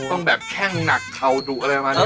ผมว่าต้องแค่งหนักเขาดูอะไรมานี่